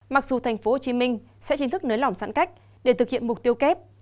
mặc dù tp hcm sẽ chính thức nới lỏng giãn cách để thực hiện mục tiêu kép